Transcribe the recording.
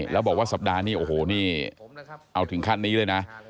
และบอกว่าสัปดาห์นี้เอาถึงขั้นนี้เลยนะ